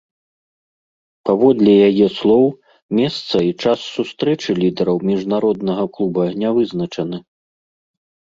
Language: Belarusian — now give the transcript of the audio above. Паводле яе слоў, месца і час сустрэчы лідараў міжнароднага клуба не вызначана.